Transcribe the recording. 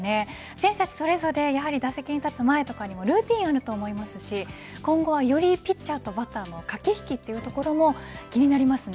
選手たちそれぞれ打席に立つ前とかにもルーティンあると思いますし今後はよりピッチャーとバッターの駆け引きというのも気になりますね。